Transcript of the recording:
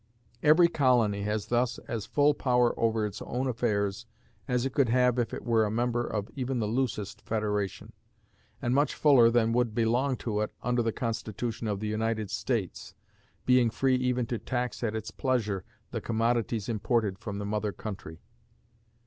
Every colony has thus as full power over its own affairs as it could have if it were a member of even the loosest federation, and much fuller than would belong to it under the Constitution of the United States, being free even to tax at its pleasure the commodities imported from the mother country.